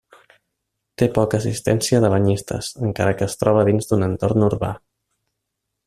Té poca assistència de banyistes, encara que es troba dins d'un entorn urbà.